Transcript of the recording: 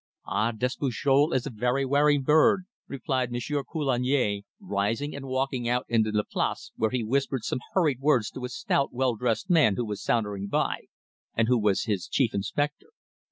"Ah! Despujol is a very wary bird," replied Monsieur Coulagne, rising and walking out into the Place, where he whispered some hurried words to a stout, well dressed man who was sauntering by, and who was his chief inspector.